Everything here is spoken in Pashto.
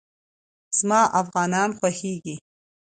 زما افغانان خوښېږي